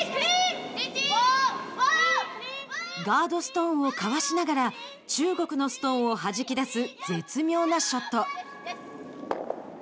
ガードストーンをかわしながら中国のストーンをはじき出す絶妙なショット。